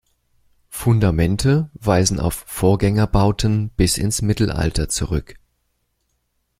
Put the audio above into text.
Fundamente weisen auf Vorgängerbauten bis ins Mittelalter zurück.